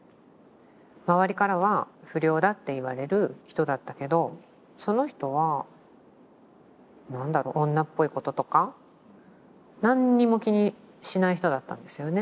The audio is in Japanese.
周りからは不良だって言われる人だったけどその人は何だろう女っぽいこととか何にも気にしない人だったんですよね。